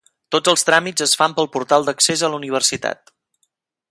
Tots els tràmits es fan pel portal d'accés a la universitat.